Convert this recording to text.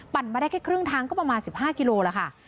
ปั่นมาได้แค่ครึ่งทั้งก็ประมาณ๑๕กิโลกรัมแล้วค่ะ